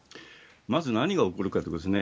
まず、何が起こるかということですね。